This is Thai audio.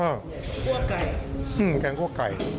แกงคั่วไก่อืมแกงคั่วไก่